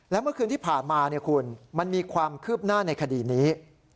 และเมื่อคืนที่ผ่านมาคุณมันมีความคืบหน้าในคดีนี้